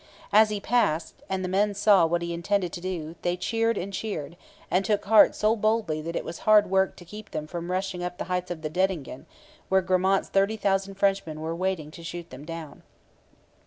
As he passed, and the men saw what he intended to do, they cheered and cheered, and took heart so boldly that it was hard work to keep them from rushing up the heights of Dettingen, where Gramont's 30,000 Frenchmen were waiting to shoot them down.